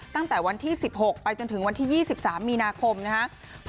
ตั้งแต่วันที่๑๖ไปจนถึงวันที่๒๓มีนาคมนะครับ